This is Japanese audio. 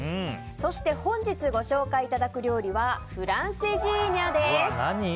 そして、本日ご紹介いただく料理はフランセジーニャです。